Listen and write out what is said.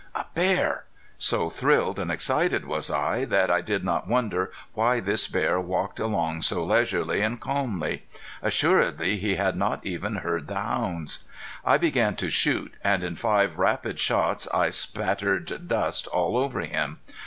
A bear! So thrilled and excited was I that I did not wonder why this bear walked along so leisurely and calmly. Assuredly he had not even heard the hounds. I began to shoot, and in five rapid shots I spattered dust all over him.